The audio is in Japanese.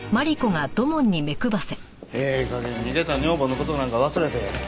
ええ加減逃げた女房の事なんか忘れて再婚したら？